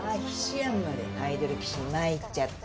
やんまでアイドル棋士に参っちゃって。